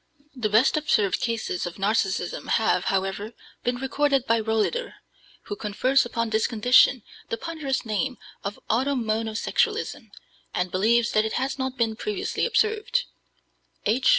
The best observed cases of Narcissism have, however, been recorded by Rohleder, who confers upon this condition the ponderous name of automonosexualism, and believes that it has not been previously observed (H.